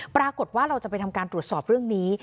ปรากฏว่าเราจะไปทำการตรวจสอบเรื่องนี้